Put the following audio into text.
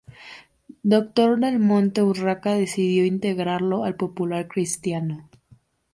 Dr. Del Monte Urraca decidió integrarlo al Popular Cristiano.